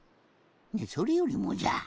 それよりもじゃ。